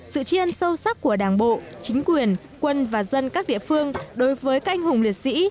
sự chiên sâu sắc của đảng bộ chính quyền quân và dân các địa phương đối với các anh hùng liệt sĩ